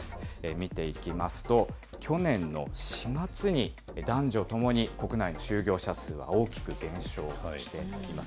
見ていきますと、去年の４月に、男女ともに国内の就業者数は大きく減少しています。